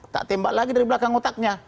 tak tembak lagi dari belakang otaknya